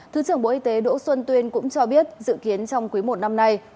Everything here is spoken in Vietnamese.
thứ trưởng bộ y tế đỗ xuân tuyên cũng cho biết dự kiến trong quý một năm nay